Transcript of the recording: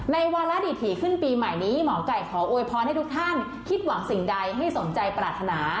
วาระดิถีขึ้นปีใหม่นี้หมอไก่ขอโวยพรให้ทุกท่านคิดหวังสิ่งใดให้สมใจปรารถนา